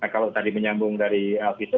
kalau tadi menyambung dari alvito